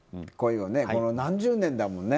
何十年だもんね。